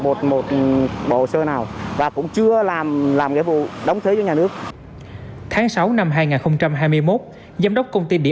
một bộ hồ sơ nào và cũng chưa làm nhiệm vụ đóng thế cho nhà nước tháng sáu năm hai nghìn hai mươi một giám đốc công ty